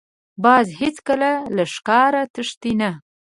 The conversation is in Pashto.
باز هېڅکله له ښکار تښتي نه